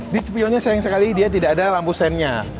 di spionnya sayang sekali dia tidak ada lampu sennya